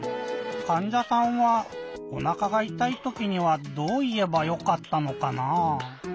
かんじゃさんはおなかがいたいときにはどういえばよかったのかなぁ？